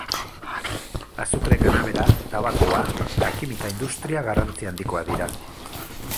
Azukre kanabera, tabakoa eta kimika industria garrantzi handikoak dira.